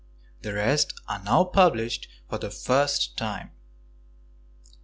The rest are now published for the first time.